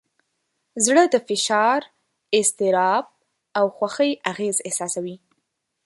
زړه د فشار، اضطراب، او خوښۍ اغېز احساسوي.